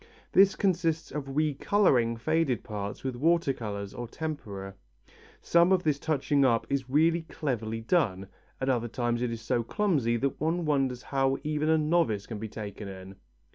This consists of re colouring faded parts with water colours or tempera. Some of this touching up is really cleverly done, at other times it is so clumsy that one wonders how even a novice can be taken in.